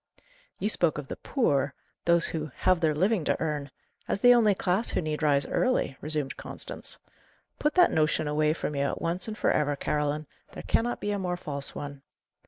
"You spoke of 'the poor' those who 'have their living to earn' as the only class who need rise early," resumed Constance. "Put that notion away from you at once and for ever, Caroline; there cannot be a more false one.